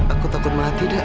aku takut mati dah